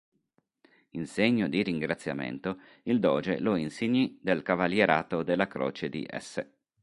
In segno di ringraziamento, il doge lo insignì del cavalierato della Croce di s.